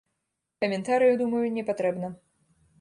Каментарыяў, думаю, не патрэбна.